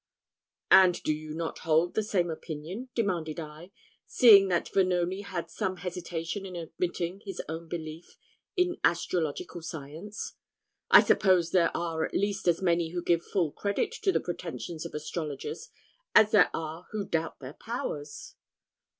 "And do you not hold the same opinion?" demanded I, seeing that Vanoni had some hesitation in admitting his own belief in astrological science. "I suppose there are at least as many who give full credit to the pretensions of astrologers, as there are who doubt their powers?"